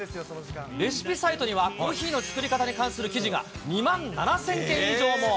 レシピサイトには、コーヒーの作り方に関する記事が２万７０００件以上も。